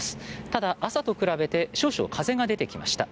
ただ、朝と比べて少々、風が出てきました。